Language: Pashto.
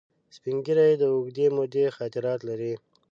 سپین ږیری د اوږدې مودې خاطرات لري